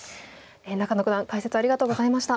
中野九段解説ありがとうございました。